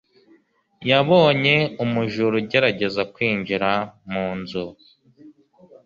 yabonye umujura ugerageza kwinjira mu nzu